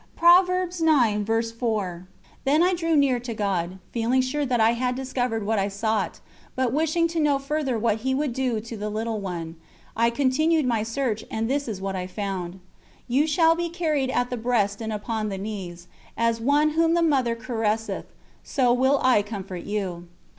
" Then I drew near to God, feeling sure that I had discovered what I sought; but wishing to know further what He would do to the little one, I continued my search and this is what I found: "You shall be carried at the breasts and upon the knees; as one whom the mother caresseth, so will I comfort you."